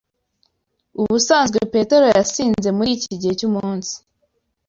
Ubusanzwe Petero yasinze muriki gihe cyumunsi.